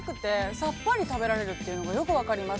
さっぱり食べられるというのがよく分かります。